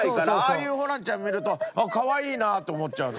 ああいうホランちゃん見るとあっかわいいなって思っちゃう。